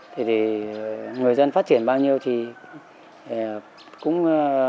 thì người dân phát triển bao nhiêu thì cũng